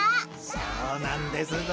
［そうなんですぞ］